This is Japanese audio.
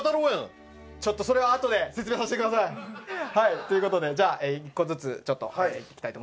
ちょっとそれはあとで説明させてください！という事でじゃあ１個ずつちょっといきたいと思います。